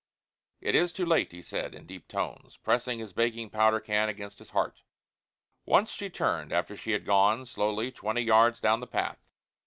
"It is too late," he said, in deep tones, pressing the baking powder can against his heart. Once she turned after she had gone slowly twenty yards down the path.